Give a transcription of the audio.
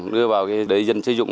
đưa vào để dân sử dụng